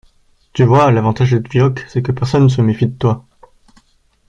Tu vois l’avantage d’être vioque c’est que personne se méfie de toi.